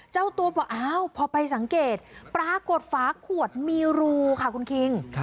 เจ้าตัวบอกอ้าวพอไปสังเกตปรากฏฝาขวดมีรูค่ะคุณคิง